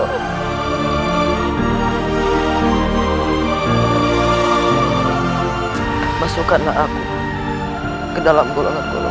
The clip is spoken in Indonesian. ampunilah segala dosaku ya allah